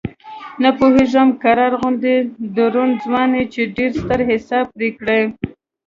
نه پوهېږم قرار غوندې دروند ځوان چې ډېر ستر حساب پرې کړی.